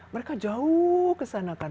mereka jauh ke sana kan